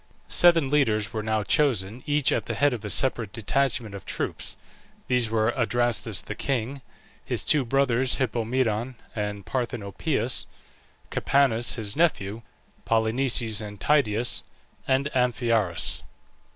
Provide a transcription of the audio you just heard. Seven leaders were now chosen, each at the head of a separate detachment of troops. These were Adrastus the king, his two brothers Hippomedon and Parthenopaeus, Capaneus his nephew, Polynices and Tydeus, and Amphiaraus.